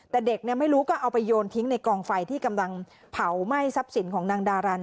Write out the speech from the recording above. แต่เด็กไม่รู้ก็เอาไปโยนทิ้งในกองไฟที่กำลังเผาไหม้ทรัพย์สินของนางดารัน